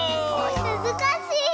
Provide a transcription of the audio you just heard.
むずかしい！